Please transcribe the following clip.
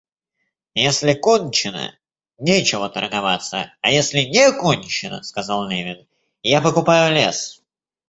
Если кончено, нечего торговаться, а если не кончено, — сказал Левин, — я покупаю лес.